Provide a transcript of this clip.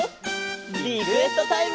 リクエストタイム！